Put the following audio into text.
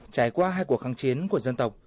trải qua hai cuộc kháng chiến của dân tộc